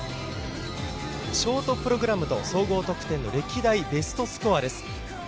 ショートプログラムと総合得点の歴代ベストスコアです。